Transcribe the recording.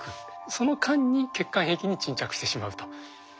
その間に血管壁に沈着してしまうと。